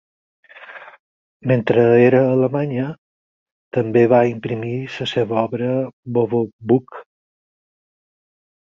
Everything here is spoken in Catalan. Mentre era a Alemanya, també va imprimir la seva obra "Bovo-Bukh".